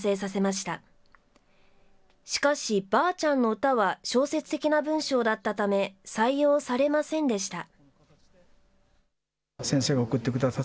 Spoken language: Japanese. しかし、ばあちゃんの詩は小説的な文章だったため、採用されませんでした。